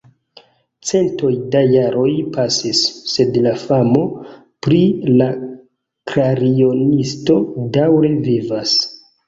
Centoj da jaroj pasis, sed la famo pri la klarionisto daŭre vivas.